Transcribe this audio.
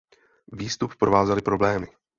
Výstup provázely problémy.